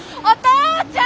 お父ちゃん！